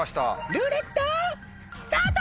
ルーレットスタート！